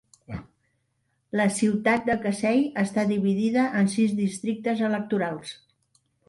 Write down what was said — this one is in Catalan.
La ciutat de Casey està dividida en sis districtes electorals.